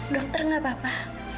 dokter gak apa apa